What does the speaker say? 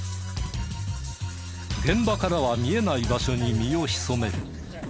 現場からは見えない場所に身を潜める。